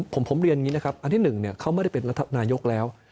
ผมเรียนอย่างนี้นะครับอันที่๑เขาไม่ได้เป็นนายกแล้ว